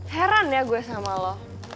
heran ya gue sama lo